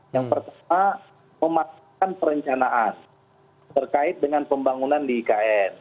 yang pertama memastikan perencanaan terkait dengan pembangunan di ikn